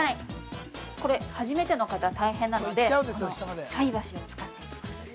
これ、初めての方、大変なので菜箸を使っていきます。